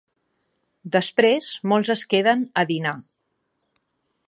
Després molts es queden a dinar.